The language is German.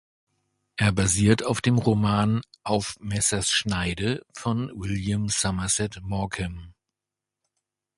Er basiert auf dem Roman "Auf Messers Schneide" von William Somerset Maugham.